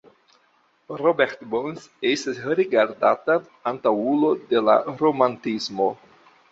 Robert Burns estas rigardata antaŭulo de la romantismo.